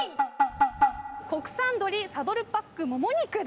国産鶏サドルパックもも肉です。